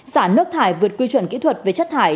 xả nước thải vượt quy chuẩn kỹ thuật về chất thải